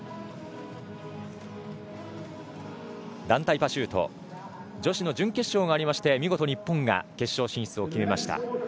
団体パシュート女子の準決勝が終わりまして見事、日本が決勝進出を決めました。